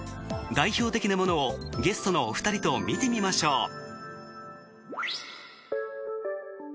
代表的なものをゲストのお二人と見てみましょう。